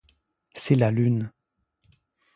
C’est la lune.